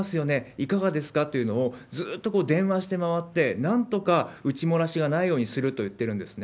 いかがですか？というのを、ずーっと電話して回って、なんとか打ち漏らしがないようにすると言ってるんですね。